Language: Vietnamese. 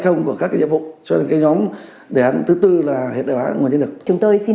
không của các cái nhiệm vụ cho cái nhóm đề án thứ tư là hiện đại hóa nguồn nhân lực chúng tôi xin